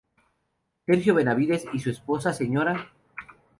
Sergio Benavides y su esposa Sra.